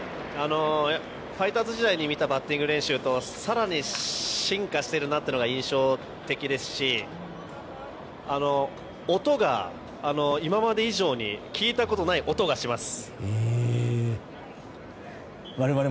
ファイターズ時代に見たバッティング練習から更に進化しているなというのが印象的ですし音が、今まで以上に聞いたことない音がします。